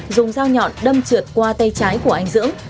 dùng dao nhọn đâm trượt qua tay trái của anh dưỡng